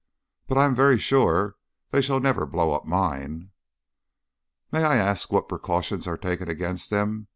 But I am very sure they shall never blow up mine." "May I ask what precautions are taken against them?"